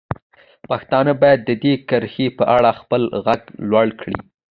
پښتانه باید د دې کرښې په اړه خپل غږ لوړ کړي.